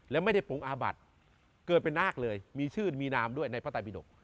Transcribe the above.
แล้วไม่ได้ปรุงอาบัติเกิดเป็นนากเลยมีชื่นมีนามด้วยในพระตับศิลป์